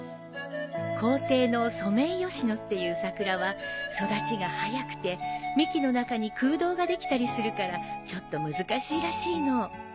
校庭のソメイヨシノっていう桜は育ちが早くて幹の中に空洞ができたりするからちょっと難しいらしいの。